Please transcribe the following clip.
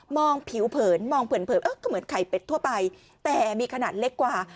ผิวเผินมองเผินก็เหมือนไข่เป็ดทั่วไปแต่มีขนาดเล็กกว่า